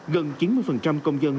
gần chín mươi công dân